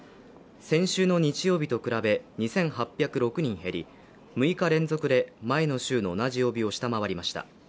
先週の日曜日と比べ２８０６人減り６日連続で前の週の同じ曜日を下回りました。